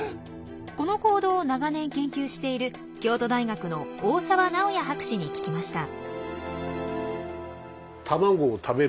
この行動を長年研究している京都大学の大澤直哉博士に聞きました。